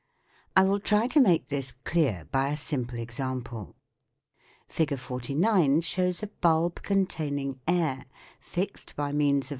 I will try to make this clear by a simple example. Fig. 49 shows a bulb containing air, fixed by means FIG.